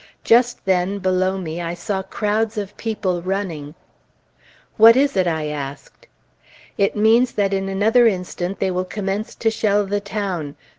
Just then, below me I saw crowds of people running. "What is it?" I asked. "It means that in another instant they will commence to shell the town.